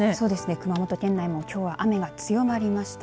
熊本県内もきょうは雨が強まりました。